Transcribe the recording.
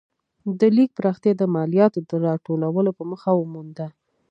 د لیک پراختیا د مالیاتو د راټولولو په موخه ومونده.